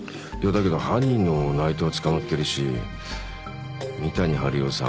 だけど犯人の内藤は捕まってるし三谷治代さん。